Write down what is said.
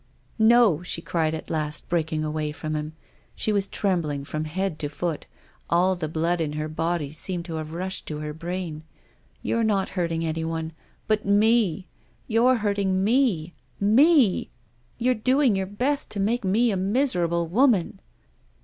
M No," she cried at last, breaking away from him. She was trembling from head to foot; all the blood in her body seemed to have rushed to her brain. " You're not hurt ing anyone— but me ! You're hurting me— me ! You're doing your best to make me a miserable woman."